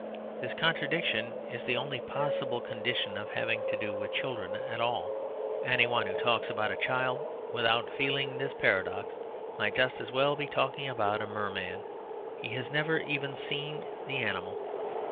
This contradiction is the only possible condition of having to do with children at all; anyone who talks about a child without feeling this paradox might just as well be talking about a merman. He has never even seen the animal.